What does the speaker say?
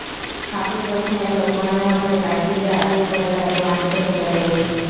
হাবিব প্রথমে লোকমানের মাথায় লাঠি দিয়ে আঘাত করে তাকে মাটিতে ফেলে দেয়।